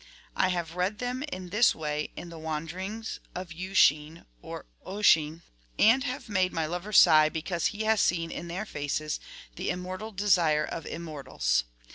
I have read them in this way in ' The Wander ings of Usheen ' or Oisin, and have made my lover sigh because he has seen in their faces 'the immortal desire of immortals.'